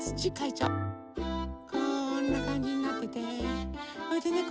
こんなかんじになっててそれでね